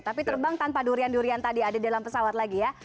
tapi terbang tanpa durian durian tadi ada di dalam pesawat lagi ya